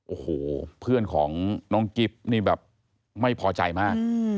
โอ้โหเพื่อนของน้องกิ๊บนี่แบบไม่พอใจมาก